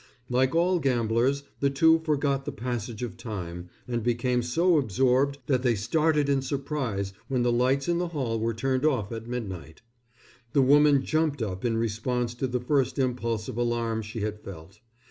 Like all gamblers, the two forgot the passage of time and became so absorbed that they started in surprise when the lights in the hall were turned off at midnight. The woman jumped up in response to the first impulse of alarm she had felt.